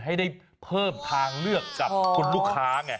ให้ได้เพิ่มทางเลือกกับคุณลูกค้าไง